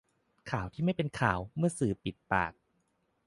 ข่าวที่ไม่เป็นข่าวเมื่อสื่อปิดปาก